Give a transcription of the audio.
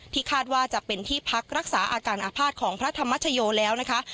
คาดว่าจะเป็นที่พักรักษาอาการอาภาษณ์ของพระธรรมชโยแล้วนะคะ